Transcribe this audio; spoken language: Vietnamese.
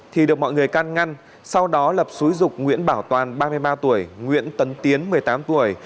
thì được mọi người can ngăn sau đó lập xúi dục nguyễn bảo toàn ba mươi ba tuổi nguyễn tấn tiến một mươi tám tuổi